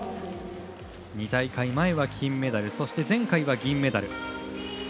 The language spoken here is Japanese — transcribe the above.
２大会前は金メダル前回は銀メダル。